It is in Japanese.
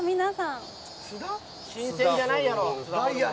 新鮮やないやろ。